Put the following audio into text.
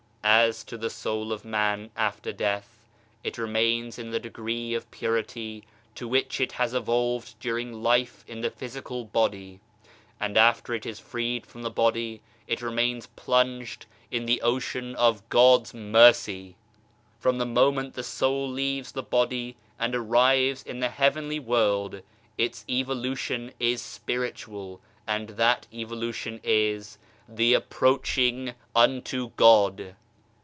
As to the soul of man after death, it remains in the degree of purity to which it has evolved during life in the physical body, and after it is freed from the body it remains plunged in the Ocean of God's Mercy. From the moment the soul leaves the body and arrives in the Heavenly World, its evolution is Spiritual, and that evolution is : The Approaching unto God.